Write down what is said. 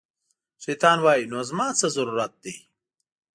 شیطان وایي، نو زما څه ضرورت دی